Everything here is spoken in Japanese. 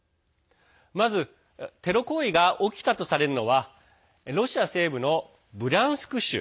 まず、テロ行為が起きたとされるのはロシア西部のブリャンスク州。